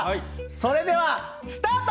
それではスタート！